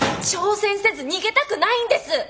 挑戦せず逃げたくないんです！